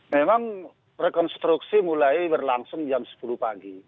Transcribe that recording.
memang rekonstruksi mulai berlangsung jam sepuluh pagi